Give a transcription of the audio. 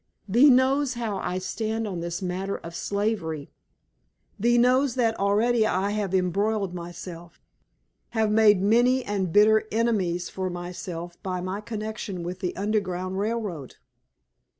Thee knows how I stand on this matter of slavery. Thee knows that already I have embroiled myself, have made many and bitter enemies for myself by my connection with the underground railway.